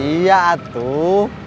gak iya atuh